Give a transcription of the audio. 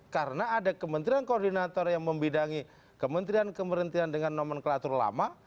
karena ada kementerian koordinator yang membidangi kementerian kementerian dengan nomenklatur lama